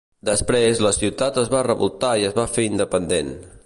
Després, la ciutat es va revoltar i es va fer independent.